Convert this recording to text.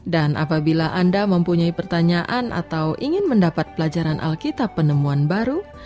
dan apabila anda mempunyai pertanyaan atau ingin mendapat pelajaran alkitab penemuan baru